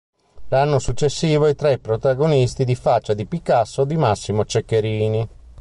L'anno successivo è tra i protagonisti di "Faccia di Picasso" di Massimo Ceccherini.